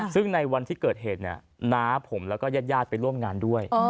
ซึ่งในวันที่เกิดเหตุเนี่ยน้าผมแล้วก็ญาติไปร่วมงานด้วย